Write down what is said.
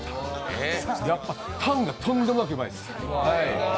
やっぱタンがとんでもなくうまいです。